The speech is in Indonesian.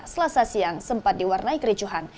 selasa siang sempat diwarnai kericuhan